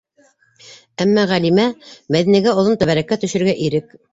Әммә Ғәлимә Мәҙинәгә оҙон тәбәрәккә төшөргә ирек